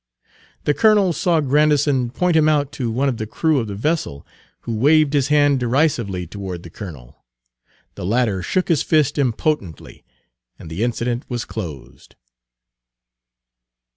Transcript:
The colonel saw Grandison point him out to one of the crew of the vessel, who waved his hand derisively toward the colonel. The latter shook his fist impotently and the incident was closed.